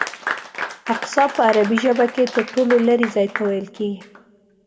اقصی په عربي ژبه کې تر ټولو لرې ځای ته ویل کېږي.